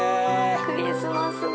クリスマスだ。